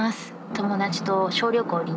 友達と小旅行に。